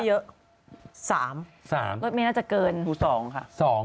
๓รสเมศน่าจะเกิน๒ค่ะ๒